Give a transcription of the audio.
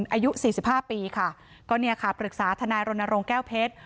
อายุสี่สิบห้าปีค่ะก็เนี่ยค่ะปรึกษาทนายรณรงค์แก้วเพชร